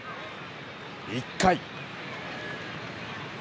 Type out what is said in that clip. １回。